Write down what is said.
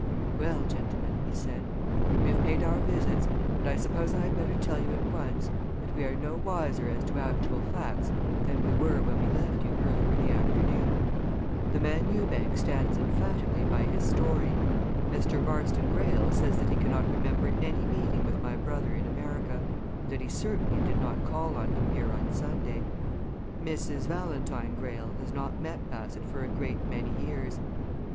"Well, gentlemen," he said, "we have paid our visits, and I suppose I had better tell you at once that we are no wiser as to actual facts than we were when we left you earlier in the afternoon. The man Ewbank stands emphatically by his story; Mr. Marston Greyle says that he cannot remember any meeting with my brother in America, and that he certainly did not call on him here on Sunday: Mrs. Valentine Greyle has not met Bassett for a great many years.